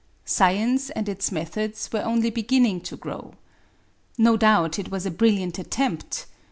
Science and its methods were only beginning to grow. No doubt it was a brilliant attempt.